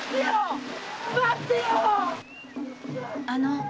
あの。